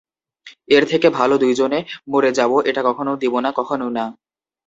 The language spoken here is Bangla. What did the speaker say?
এর থেকে ভালো দুই জনে মরে যাবো এটা কখনও দিবো না, কখনও না।